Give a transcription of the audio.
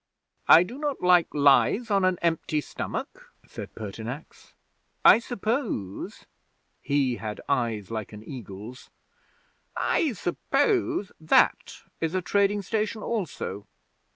'"I do not like lies on an empty stomach," said Pertinax. "I suppose" (he had eyes like an eagle's) "I suppose that is a trading station also?"